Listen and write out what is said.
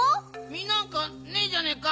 みなんかねえじゃねえか！